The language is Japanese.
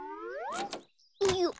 よっ。